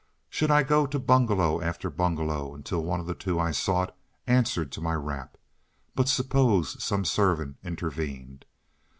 Should I go to bungalow after bungalow until one of the two I sought answered to my rap? But suppose some servant intervened!